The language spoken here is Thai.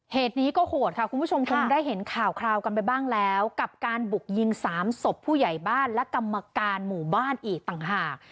เหตุนี้ก็โหดค่ะคุณผู้ชมคงได้เห็นข่าวคราวกันไปบ้างแล้วกับการบุกยิงสามศพผู้ใหญ่บ้านและกรรมการหมู่บ้านอีกต่างหาก